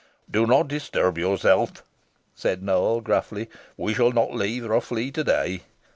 "Do not disturb yourself," said Nowell, gruffly; "we shall not leave Rough Lee to day."